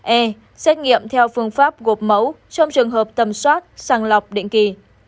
e xét nghiệm theo phương pháp gộp mẫu trong trường hợp tầm soát sàng lọc định kỳ